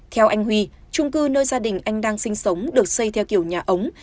theo anh huy trung cư nơi gia đình anh đang sinh sống được xây theo kiểu nhà ống